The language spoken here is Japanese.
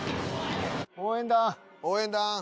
応援団！